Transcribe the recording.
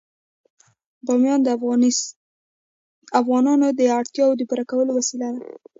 بامیان د افغانانو د اړتیاوو د پوره کولو وسیله ده.